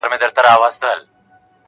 مور لا هم کمزورې ده او ډېر لږ خبري کوي,